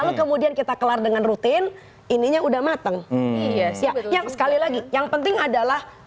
ah lalu kemudian kita kelar dengan rutin ininya udah mateng iya sekali lagi yang penting adalah